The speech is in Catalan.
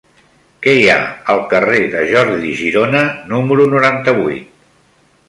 Què hi ha al carrer de Jordi Girona número noranta-vuit?